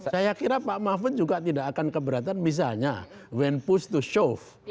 saya kira pak mahfud juga tidak akan keberatan misalnya win push to shove